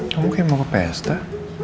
kamu mungkin mau ke pesta